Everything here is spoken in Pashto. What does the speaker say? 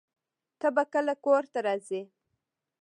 ته به کله کور ته راځې؟